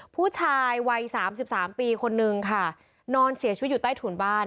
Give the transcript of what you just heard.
ผู้ชายวัยสามสิบสามปีคนนึงค่ะนอนเสียชีวิตอยู่ใต้ถุนบ้าน